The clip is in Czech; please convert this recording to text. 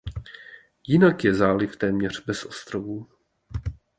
Jinak je záliv téměř bez ostrovů.